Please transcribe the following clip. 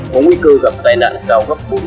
có nguy cơ gặp tai nạn cao gấp